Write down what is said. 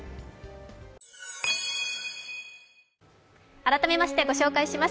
改めましてご紹介します。